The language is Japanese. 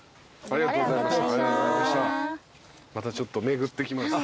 ありがとうございます。